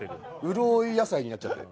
潤い野菜になっちゃってる。